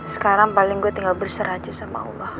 sekarang paling gue tinggal berserah aja sama allah